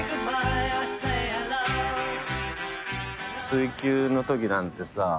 『水球』のときなんてさ